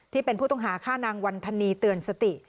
ที่เป็นผู้ต้องหาฆ่านางวันธนีเตือนสติ